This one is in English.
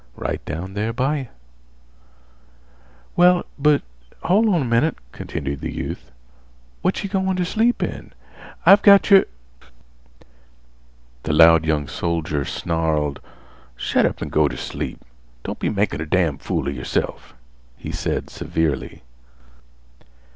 "Right down there by yeh." "Well, but hol' on a minnit," continued the youth. "What yeh goin' t' sleep in? I've got your—" The loud young soldier snarled: "Shet up an' go on t' sleep. Don't be makin' a damn' fool 'a yerself," he said severely.